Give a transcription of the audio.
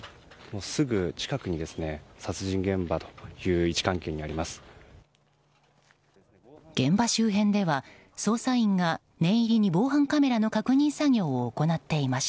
すぐ近くに殺人現場という位置関係になります。